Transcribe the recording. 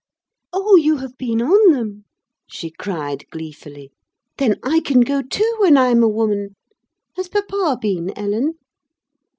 "Oh, you have been on them!" she cried gleefully. "Then I can go, too, when I am a woman. Has papa been, Ellen?"